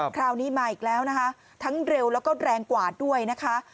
คราวนี้มาอีกแล้วนะคะทั้งเร็วแล้วก็แรงกว่าด้วยนะคะ